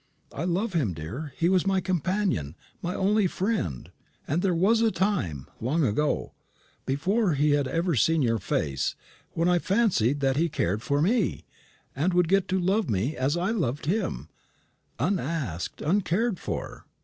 I loved him, dear; he was my companion, my only friend; and there was a time long ago before he had ever seen your face, when I fancied that he cared for me, and would get to love me as I loved him unasked, uncared for.